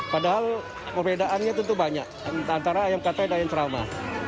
padahal perbedaannya tentu banyak antara ayam katai dan ayam ceramah